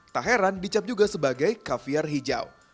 tak heran dicap juga sebagai kafiar hijau